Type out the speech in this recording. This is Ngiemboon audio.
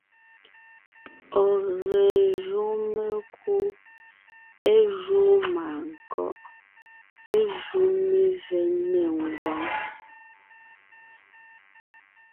Ɔ̀ ge jú mekú, é júu mânkɔ́ʼ, é jú mevɛ́ nê ngwáŋ.